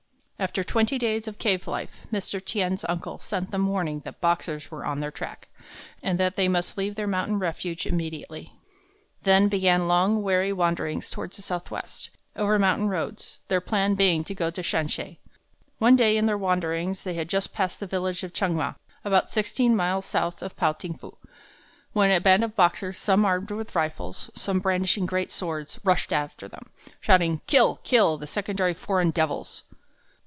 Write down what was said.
After twenty days of cave life, Mr. Tien's uncle sent them warning that Boxers were on their track, and that they must leave their mountain refuge immediately. Then began long, weary wanderings toward the southwest, over mountain roads, their plan being to go to Shansi. One day in their wanderings they had just passed the village of Chang ma, about sixteen miles south of Pao ting fu, when a band of Boxers, some armed with rifles, some brandishing great swords, rushed after them, shouting, "Kill! kill! kill the secondary foreign devils!"